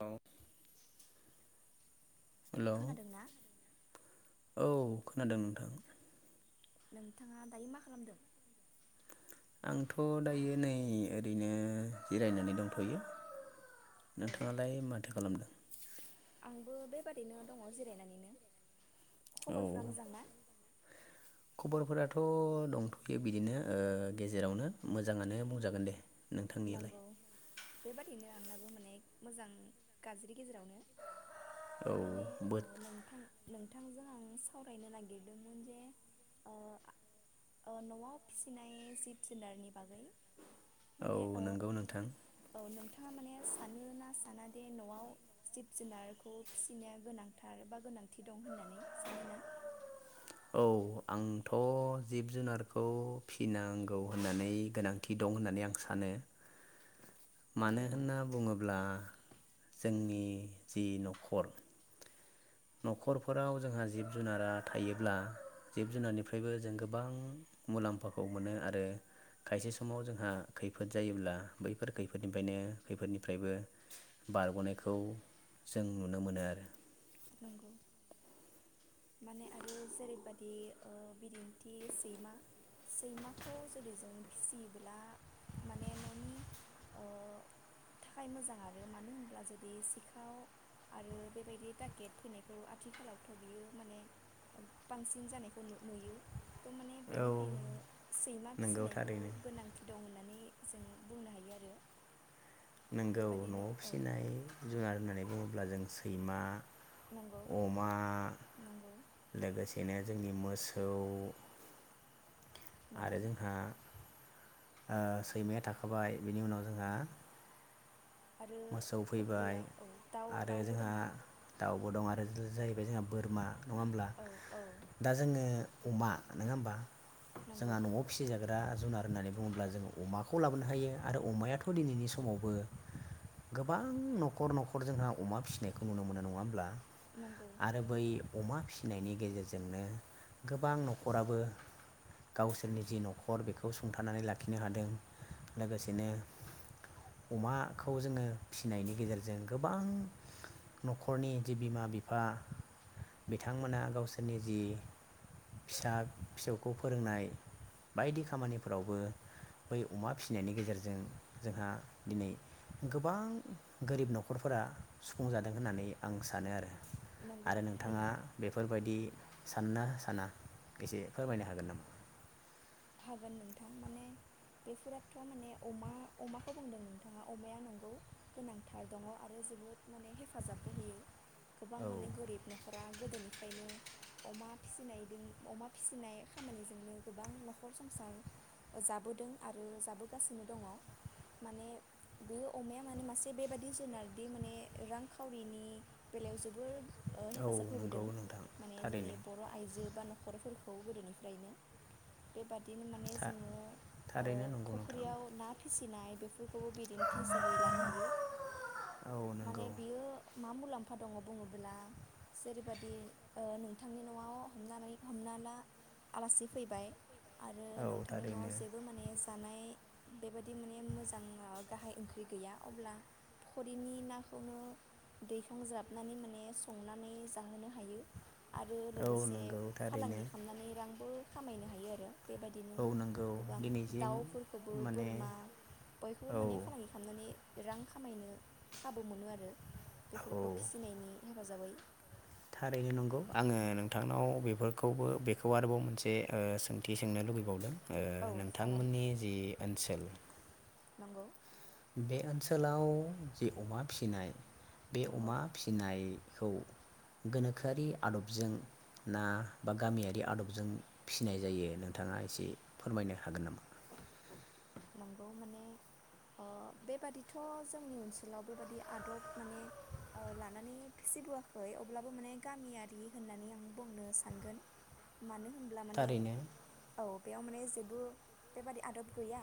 औ खोनादों ना? औ खोनादों नोंथां। नोंथाङा दायो मा खालामदों? आंथ' दायो नै ओरैनो जिरायनानै दंथ'यो। औ नोंथाङालाय माथो खालामदों? बादिनो दङ' जिरायनानैनो औ खबरफ्रा मोजां ना खबरफोराथ' थ' दंथ'यो बिदिनो ओ गेजेरावनो मोजाङानो बुंजागोन दे। नोंथांनियालाय नंगौ, बेबादिनो आंना माने मोजां गाज्रि गेजेरावनो। औ त माने बोथ नोंथां नों बिथांजों आं सावरायनो नागिरदोंमोन जे ओ न'आव फिसिनाय जिब जुनारनि बागै। माने औ ओ नोंगौ नोंथां। औ नोंथाङा माने सानो ना साना दे न'आव जिब जुनारखौ फिसिनाया गोनांथार बा गोनांथि दं होननानै सानो ना? औ आंथ' जिब- जुनारखौ फिनांगौ होननानै गोनांथि दं होननानै आं सानो। मानो नंगौ होनना बुङोब्ला जोंनि जि न'खर न'खरफोराव जोंहा जिब जुनारा थायोब्ला जिब जुनारनिफ्रायबो जों गोबां मुलाम्फाखौ मोनो आरो खायसे समाव जोंहा खैफोद जायोब्ला बैफोर खैफोदनिफ्रायनो खैफोदनिफ्रायबो बारग'नायखौ जों नुनो मोनो आरो। नंगौ माने आरो जेरैबादि ओ बिदिनथि - सैमा सैमाखौ जुदि जों फिसियोब्ला माने न'नि ओ थाखाय मोजां आरो मानो होनब्ला जुदि सिखाव आरो बेबायदि ता गेट फैनायखौ आथिखालावथ' बियो माने बांसिन जानायखौ नुयो त'' माने औ बेनिखायनो सैमा नंगौ फिसिनायखौ थारैनो गोनांथि दं होननानै जों बुंनो हायो आरो। नोंगौ बेबादिनो न'आव औ फिसिनाय जुनार होननानै बुङोब्ला जों सैमा नंगौ अमा नंगौ लोगोसेनो जोंनि मो सौ आरो नंगौ जोंहा ओ सैमाया थाखाबाय बिनि उनाव जोंहा आरो मोसौ फैबाय फुख्रियाव औ दाउ आरो दाउबो जोंहा दङ दाउबो दं आरो [unintelligible] बे जोंहा बोरमा नङा होमब्ला औ औ दा जोङो अमा नोङा होमबा? नंगौ जोंहा न'आव फिसिजाग्रा जुनार होननानै बुङोब्ला जों अमाखौ लाबोनो हायो आरो अमायाथ' दिनैनि समावबो गोबां न'खर न'खर जोंहा अमा फिसिनायखौ नुनो मोनो नङा होनब्ला? नंगौ आरो बै अमा फिनायनि गेजेरजोंनो गोबां न'खराबो गावसोरनि जि न'खर बेखौ सुंथानानै लाखिनो हादों लोगोसेनो अमाखौ जोंङो फिसिनायनि गेजेरजों गोबां न'खरनि जि बिमा - बिफा बिथांमोना गावसोरनि जि फिसा - फिसौखौ फोरोंनाय बायदि खामानिफोरावबो बै अमा फिसिनायनि गेजेरजों जोंहा दिनै गोब गोबां गोरिब न'खरफोरा सुफुं जादों होननानै आं सानो आरो। नंगौ आरो नोंथांङा थारैनो बेफोर बादि सानो ना साना एसे फोरमायनो हागोन नामा? हागोन नोंथां माने बेफोराथ' माने अमा अमाखौ बुंदों नोंथाङा अमाया नंगौ गोनांथार दङ आरो जोबोद माने हेफाजाबबो होयो। गोबां औ माने गोरिब न'खरा गोदोनिफ्राय ओमफ्रायनो अमा फिसिनायजोंदों अमा फिसिनाय खामानिजोंनो गोबां न'खर न'खर संसार ओ जाबोदों आरो जाबोगासिनो दङ। माने बे अमाया माने मासे बेबादि जुनारदि माने रांखावरिनि बेलायाव जोबोर औ हेफाजाब नंगौ होबोदों। नोंथां माने जोंनि थारैनो बर' आइजो बा न'खरफोरखौ गोदोनिफ्रायनो बेबादिनो माने था जोंङो ओ थारैनो नंगौ नोंथां फुख्रियाव ना फिसि फिनाय बेफोरखौबो बिदिन्थि हिसाबै लानो हायो औ नंगौ माने बियो मा मुलाम्फा दङ बुङोब्ला जेरैबदि नोंथांनि न'आव हमनानै हमना ला आलासि फैबाय। आरो औ नोंथांनि न'आव थारैनो जेबो मानेस जानाय बे बायदि माने मोजां गाहाय ओंख्रि गैया अब्ला फख्रिनि नाखौनो दैखांज्राबनानै माने संनानै जाहोनो हायो। आरो औ लोगोसे नंगौ थारैनो फालांगि खालामनानै रांबो खामायनो हायो आरो। आरो बेबायदिनो औ नंगौ गोबां दिनैसिम दाउफोरखौबो माने बोरमा बयखौबो औ माने फालांगि खालामनानै रां खामायनो खाबु मोनो आरो औ बेफोरखौ फिसिनायनि हेफाजाबै थारैनो नंगौ आंङो नोंथांनाव बेफोरखौबो बेखौ आरोबाव मोनसे सोंथि सोंनो लुुबैबावदों। औ नोंथां जागोन मोननि जि ओनसोल नंगौ। बे ओनसोलाव जि अमा फिनाय बे नंगौ अमा फिनाय खौ गोनोखोआरि आदबजों ना बा गामियारि आदबजों फिसिनाय जायो नोंथांङा एसे फोरमायनो हागोन नामा? नंगौ माने ओ बेबादिथ' जोंनि ओनसोलाव बेबादि आदब माने लानानै फिसिबोआखै अब्लाबो माने गामियारि होननानै आं बुंनो सानगोन मानो होन होनब्ला माने थारैनो औ बेयाव माने माने जेबो बेबादि आदब गैया।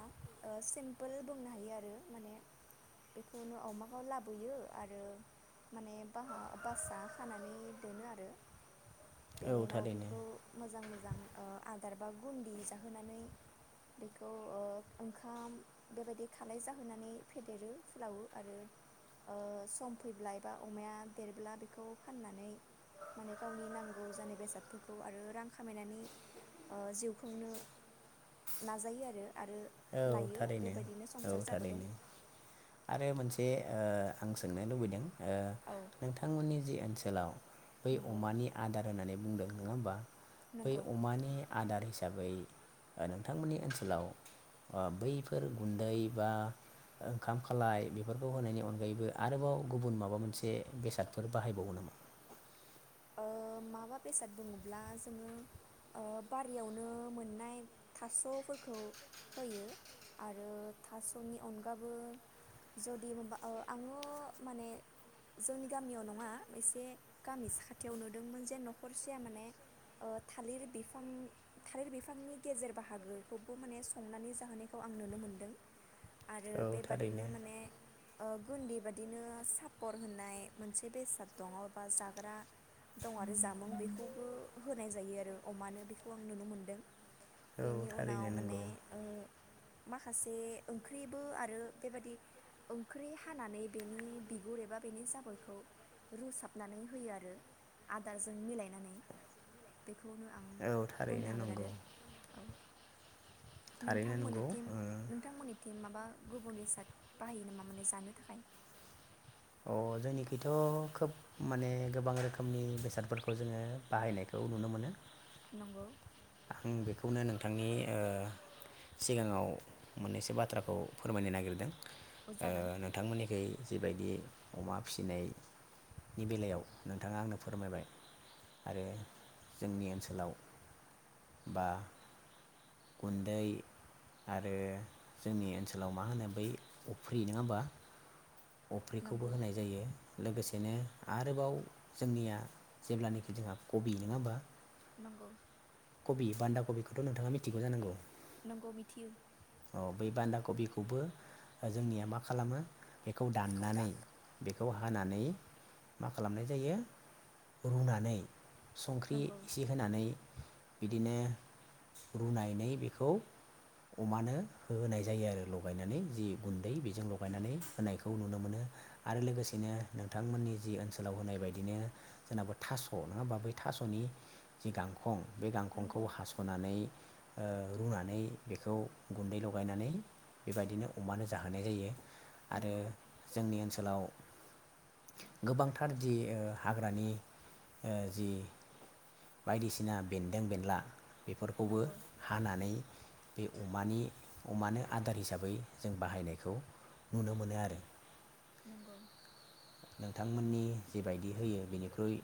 सिमपोल बुंनो हायो आरो माने बेखौनो अमाखौ लाबोयो आरो माने बा बासा खानानै दोनो आरो औ बेनि उनाव थारैनो बिखौ मोजां मोजां ओ आदार बा गुन्दि जाहोनानै बेखौ ओंखाम बेबायदि खालाय जाहोनानै फेदेरो फुलावो आरो ओ सम फैब्ला एबा अमाया देरब्ला बेखौ फाननानै माने गावनि नांगौ जानाय बेसादफोरखौ आरो रां खामायनानै ओ जिउ खुंनो नाजायो आरो आरो औ लायो थारैनो बेबायदिनो औ संसार जाबोदों थारैनो आरो मोनसे ओ आं सोंनो लुबैदों। ओ औ नोंथांमोननि जि ओनस सोलाव बै नंगौ अमानि आदार होननानै बुंदों। नोङा होमबा बै नंगौ अमानि आदार हिस साबै ओ नोंथांमोननि ओनसोलाव ओ बैफोर गुन्दै बा ओंखाम खालाय बेफोरखौ होनायनि अनगायैबो आरोबाव गुबुन माबा मोनसे बेसादफोर बाहायबावो नामा? ओ माबा बेसाद बुङोब्ला जोङो ओ बारियावनो मोननाय थास'फोरखौ होयो आरो थास'नि अनगाबो जुदि मोनबा आङो माने जोंनि गामियाव नङा एसे गामि सा थियाव नुदोंमोन जे न'खरसेया माने ओ थालिर बिफां थालिर बिफांनि गेजेर बाहागोखौबो माने संनानै जाहोनायखौ आं नुनो मोनदों। आरो औ बेबादिनो थारैनो माने ओ गुन्दै बादिनो सापर होननाय मोनसे बेसाद दङ बा जाग्रा दं आरो जामुं बेखौबो होनाय जायो आरो अमानो बेखौ आं नुनो मोनदों। औ बेनि उनाव थारैनो माने नंगौ ओ माखासे ओंख्रिबो आरो बेबादि ओंख्रि हानानै बेनि बिगुर एबा बेनि जाबोरखौ रुसाबनानै होयो आरो। आदारजों मिलायनानै बे खौनो आं औ थारैनो बुंनो हागोन नंगौ आरो औ। थारैनो नंगौ नोंथांमोननिथिं ओ नोंथांमोननिथिं माबा गुबुन बेसाद बाहायो नामा माने जानो थाखाय? अ जोंनिखैथ' खोब माने गोबां रोखोमनि बेसादफोरखौ जोङो बाहायनायखौ नुनो मोनो। नंगौ आं बेखौनो नोंथांनि ओ सिगाङाव मोननैसो बाथ्राखौ फोरमायनो नागिरदों। अ ओ जागोन नोंथांमोननिखै जिबायदि अमा फिसिनायनि बेलायाव नोंथाङा आंनो फोरमायबाय आरो जोंनि ओनसोलाव बा गुन्दै आरो जोंनि ओनसोलाव मा होनो बै अफ्रि नङा होमबा। अफ्रिखौबो नंगौ होनाय जायो लोगोसेनो आरोबाव जोंनिया जेब्लानोखि जोंहा कबि नङा होमबा? नंगौ कबि बान्दा कबि थ' नोंथाङा मिथिगौ जानांगौ। नंगौ मिथियो अ बै बान्दा कबि खौबो ओ जोंनिया मा खालामो? बेखौ दाननानै बेखौ हानानै मा खालामनाय जायो रुनानै संख्रि नंगौ इसे होनानै बिदिनो रुनानै बेखौ अमानो होनहोनाय जायो आरो लगायनानै जि गुन्दै बेजों लगायनानै। होनायखौ नुनो मोनो आरो लोगोसेनो नोंथांमोननि जि ओनसोलाव होनाय बायदिनो जोंनाबो थास' नङा होमबा बै थास'नि जि गांखं बे गांखंखौ नंगौ हास'नानै ओ रुनानै बेखौ गुन्दै लगायनानै बेबायदिनो अमानो जाहोनाय जायो। आरो नंगौ जोंनि ओनसोलाव गोबांथार जि हाग्रानि ओ जि बायदिसिना बेन्दों बेनला बेफोरखौबो नंगौ हानानै बे अमानि अमानो आदार हिसाबै जों बाहायनायखौ नुनो मोनो आरो। नंगौ नोंथांमोननि जिबायदि होयो बेनिख्रुइ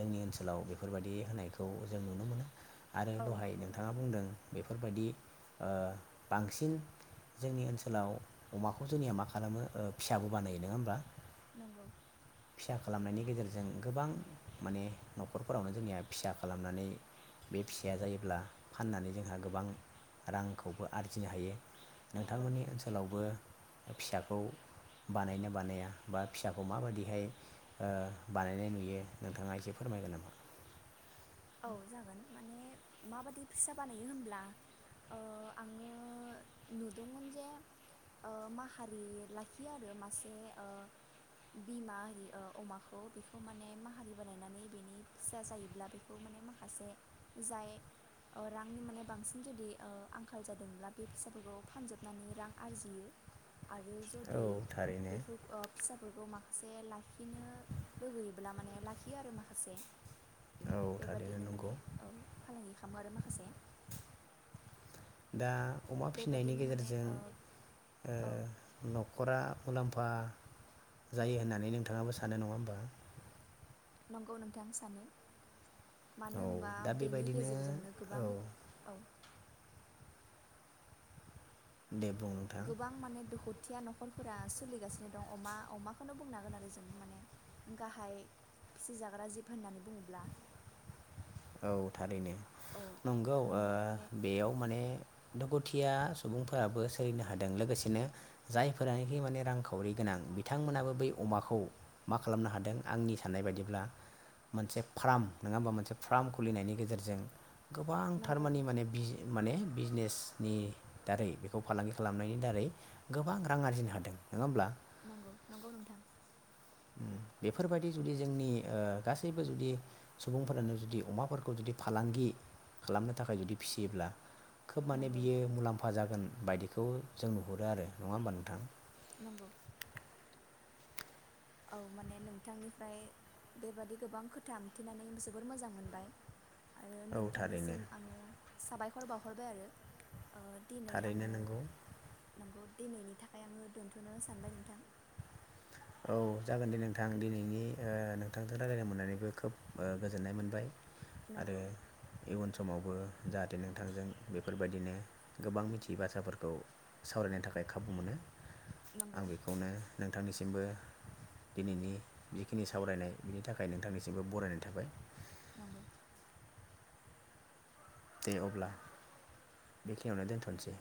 जोंनि ओनसोलाव बेफोरबायदि होनायखौ जों नुनो मोनो। आरो औ दहाय नंगौ नोंथाङा बुंदों बेफोरबायदि ओ बांसिन जोंनि ओनसोलाव अमाखौ जोंनिया मा खालामो फिसाबो बानायो नङा होमबा? नंगौ फिसा खालामनायनि गेजेरजों जों गोबां माने न'खरफोरावनो जोंनिया फिसा खालामनानै बे फिसाया जायोब्ला फाननानै जोंहा गोबां रांखौबो आरजिनो हायो। नंगौ नोंथांमोननि ओनसोलावबो फिसाखौ बानायना बानाया बा फिसाखौ माबायदिहाय ओ बानायनाय नुयो नोंथाङा एसे फोरमायगोन नामा? औ जागोन माने माबायदि फिसा बानायो होनब्ला ओ आङो नुदोंमोन जे ओ माहारि लाखियो आरो मासे बिमा आरि ओ अमाखौ बेखौ माने माहारि बानायनानै बेनि फिसा जायोब्ला बेखौ खौ माने माखासे जाय ओ रांनि माने बांसिन जुदि ओ आंखाल जादोंब्ला बे फैसाफोरखौ फानजोबनानै ओ रां आरजियो। आरो औ जुदि थारैनो बेफोरखौ ओ फिसाफोरखौ माखासे माखासे लाखिनो लुबैयोब्ला माने लाखियो आरो माखासे औ थारैनो बेबादिनो माने नंगौ औ फालांगि खालामो आरो माखासे दा अमा फिनायनि बेबादिनो माने गेजेरजों ओ ओ औ न'खरा मुलाम्फा जायो होननानै नोंथाङाबो सानो नङा होमबा? नंगौ नोंथां सानो। औ मानो होनबा दा बेनि बेबायदिनो गेजेरजोंनो गोबां औ दे बुं नोंथां गोबां माने दुखुथिया न न'खरफोरा सोलिगासिनो दं अमा अमाखौनो बुंनांगोन आरो जों माने गाहाय फिसिजाग्रा जिब होननानै बुङोब्ला औ थारैनो औ नंगौ ओ बेयाव माने दुखुथिया सुबुंफोराबो सोलिनो हादों लोगोसेनो जायफोरानोखि माने रांखावरि गोनां बिथांमोनाबो बै अमाखौ मा खालामनो हादों आंनि साननाय बायदिब्ला मोनसे फार्म नङा होमबा मोनसे फार्म खुलिनायनि गेजेरजों गोबां नंगौ थारमानिे माने माने बिजनेसनि दारै बेखौ फालांगि खालामनायनि दारै गोबां रां आरजिनो हादों नङा होमब्ला? नंगौ नंगौ नोंथां। ओम बेफोरबादि जुदि जोंनि ओ गासैबो ओ जुदि सुबुंफोरानो जुदि अमाफोरखौ जुदि फालांगि खालामनो थाखाय जुदि फिसियोब्ला खोब माने नंगौ बियो मुलाम्फा जागोन। बायदिखौ जों नुहुरो आरो नङा होमबा नोंथां? नंगौ औ माने नोंथांनिफ्राय बेबादि गोबां खोथा मिथिनानै जोबोर मोजां मोनबाय। आरो औ थारैनो नोंथांनिसिम आङो साबायखर बावह हरबाय आरो। ओ दिनै थारैनो आङो नंगौ नोंगौ। दिनैनि थाखाय आङो दोनथ'नो सानबाय नोंथां। औ जागोन दे नोंथां दिनैनि ओ नोंथांजों रायलायनो मोननानैबो खोब गोजोननाय मोनबाय। आरो नंगौ इउन समावबो ओ जाहाथे नोंथांजों बेफोरबायदिनो गोबां मिथियै बाथ्राफोरखौ सावरायनो थाखाय खाबु मोनो। आं नंगौ बेखौनो नोंथांनि सिमबो दिनैनि जिखिनि सावरायनाय बिनि थाखाय नोंथांनिसिमबो बरायनाय थाबाय। नंगौ दे अब्ला बेखिनियावनो दोनथ'नोसै।